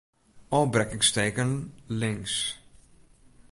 Ofbrekkingsteken links.